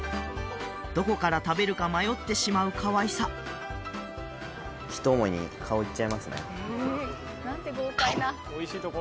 どこから食べるか迷ってしまうかわいさひと思いに顔いっちゃいますね